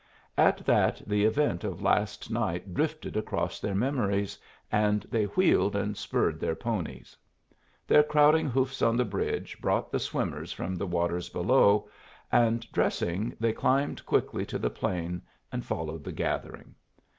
At that the event of last night drifted across their memories, and they wheeled and spurred their ponies. Their crowding hoofs on the bridge brought the swimmers from the waters below and, dressing, they climbed quickly to the plain and followed the gathering.